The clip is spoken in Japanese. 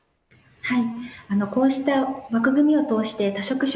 はい。